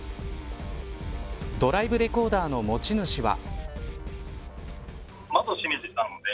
ドライブレコーダーの持ち主は。